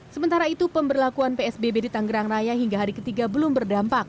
sementara itu pemberlakuan psbb di tanggerang raya hingga hari ketiga belum berdampak